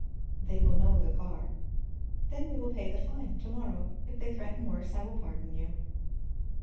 "They will know the car." "Then we will pay the fine, to morrow. If they threaten worse I will pardon you."